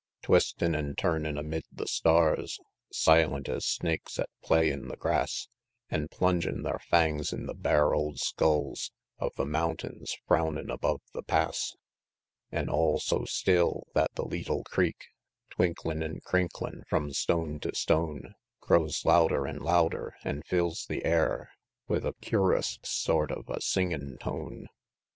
Twistin' an' turnin' amid the stars, Silent as snakes at play in the grass, An' plungin' thar fangs in the bare old skulls Of the mountains, frownin' above the Pass. An' all so still, that the leetle creek, Twinklin' an crinklin' from stone to stone, Grows louder an' louder, an' fills the air With a cur'us sort of a singin' tone.